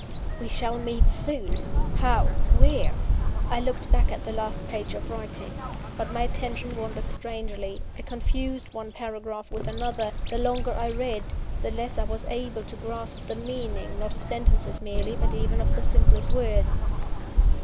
"We shall meet soon!" How? Where? I looked back at the last page of writing. But my attention wandered strangely; I confused one paragraph with another; the longer I read, the less I was able to grasp the meaning, not of sentences merely, but even of the simplest words.